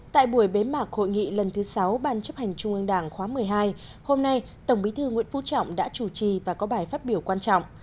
tại buổi bế mạc hội nghị lần thứ sáu ban chấp hành trung ương đảng khóa một mươi hai hôm nay tổng bí thư nguyễn phú trọng đã chủ trì và có bài phát biểu quan trọng